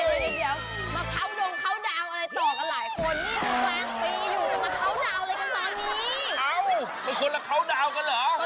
ไอ้คุณละคาวดาวกันเหรอ